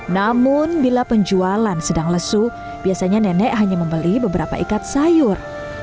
namun bila penjualan sedang lesu biasanya nenek hanya membeli beberapa ikat sayur